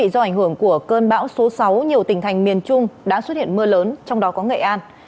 do ảnh hưởng của cơn bão số sáu nhiều tỉnh thành miền trung đã xuất hiện mưa lớn trong đó có nghệ an